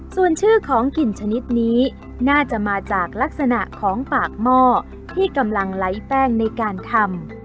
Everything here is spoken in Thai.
ส่วนชื่อของกลิ่นชนิดนี้น่าจะมาจากลักษณะของปากหม้อที่กำลังไร้แป้งในการทำ